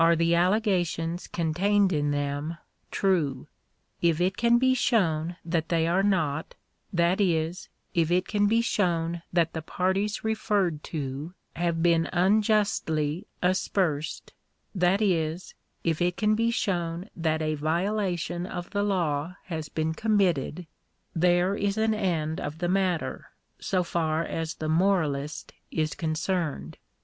the allegations contained in them true ? If it can be shown that they are not— that is, if it can be shown that the parties referred to have been unjustly aspersed — that is, if it can be shown that a violation of the law has been committed — there is an end of the matter, so far as the moralist is concerned.